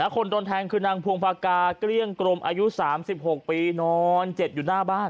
คนโดนแทงคือนางพวงภากาเกลี้ยงกรมอายุ๓๖ปีนอนเจ็บอยู่หน้าบ้าน